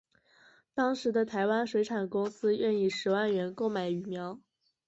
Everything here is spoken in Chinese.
当时的台湾水产公司愿以十万元购买鱼苗。